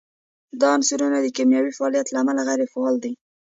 دا عنصرونه د کیمیاوي فعالیت له امله غیر فعال دي.